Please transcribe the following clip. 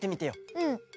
うん。